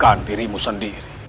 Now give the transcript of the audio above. dan menjadikan dirimu sendiri